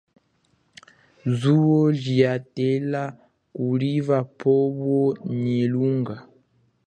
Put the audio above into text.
Zuwo lia tela kuliva pwowo nyi lunga.